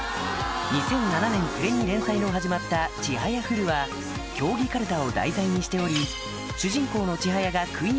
２００７年暮れに連載の始まった『ちはやふる』は競技かるたを題材にしており高校３年間を描いている